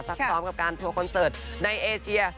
พร้อมกับการทัวร์คอนเสิร์ตในเอเชีย